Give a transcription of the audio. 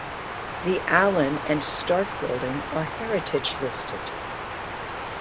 The Allan and Stark Building are heritage listed.